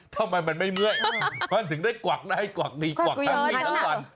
ทำไมมันไม่เมื่อยมันถึงได้กวักได้กวักดีกวักทั้งนี้ทั้งวัน